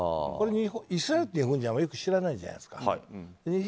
イスラエルって、日本人あまり知らないじゃないですか。